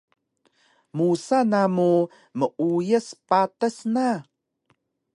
musa namu meuyas patas na?